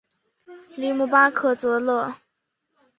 里姆巴克泽勒。